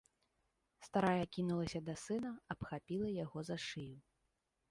Старая кінулася да сына, абхапіла яго за шыю.